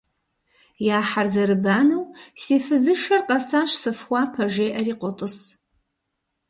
Я хьэр зэрыбанэу «Си фызышэр къэсащ, сыфхуапэ», — жеӏэри къотӏыс.